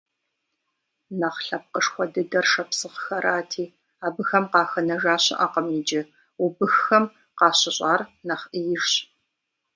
Нэхъ лъэпкъышхуэ дыдэр шапсыгъхэрати, абыхэм къахэнэжа щыӀэкъым иджы, убыххэм къащыщӀар нэхъ Ӏеижщ.